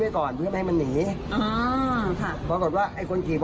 แกก็เหมือนให้นานผู้ตาย๖ไทย